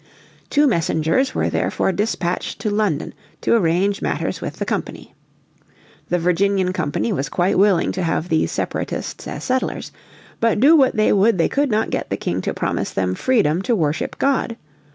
Two messengers were therefore despatched to London to arrange matters with the company. The Virginian Company was quite willing to have these Separatists as settlers. But do what they would they could not get the King to promise them freedom to worship God.